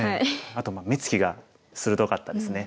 あと目つきが鋭かったですね。